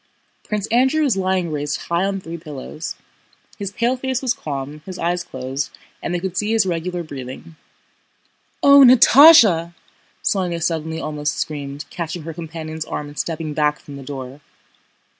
Prince Andrew was lying raised high on three pillows. His pale face was calm, his eyes closed, and they could see his regular breathing. "O, Natásha!" Sónya suddenly almost screamed, catching her companion's arm and stepping back from the door.